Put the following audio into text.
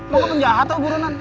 lo kepenjahat lo buronan